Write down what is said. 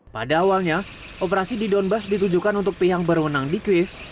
pada awalnya operasi di donbass ditujukan untuk pihak berwenang di kuef